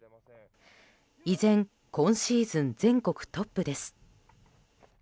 依然今シーズン全国トップです。